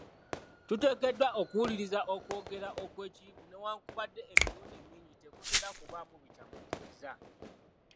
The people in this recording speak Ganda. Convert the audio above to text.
Tuteekeddwa okuwuliriza okwogera okw’ekiyivu ne wankubadde emirundi mingi tekutera kubaamu bikyamuukiriza.